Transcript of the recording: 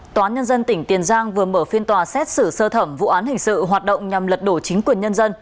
tòa án nhân dân tỉnh tiền giang vừa mở phiên tòa xét xử sơ thẩm vụ án hình sự hoạt động nhằm lật đổ chính quyền nhân dân